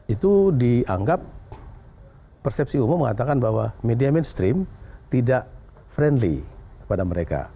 itu dianggap persepsi umum mengatakan bahwa medium and stream tidak friendly kepada mereka